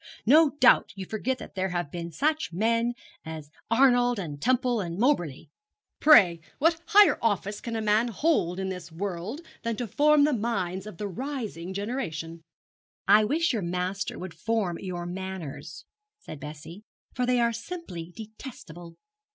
No doubt you forget that there have been such men as Arnold, and Temple, and Moberly. Pray what higher office can a man hold in this world than to form the minds of the rising generation?' 'I wish your master would form your manners,' said Bessie, 'for they are simply detestable.'